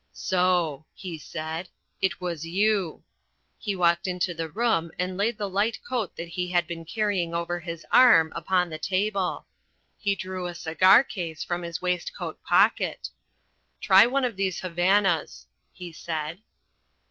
"So," he said, "it was you." He walked into the room and laid the light coat that he had been carrying over his arm upon the table. He drew a cigar case from his waistcoat pocket. "Try one of these Havanas," he said.